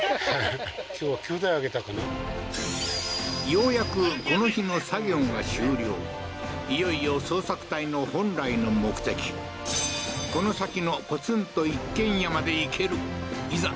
ようやくいよいよ捜索隊の本来の目的この先のポツンと一軒家まで行けるいざ